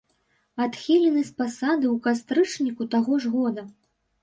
Адхілены з пасады ў кастрычніку таго ж года.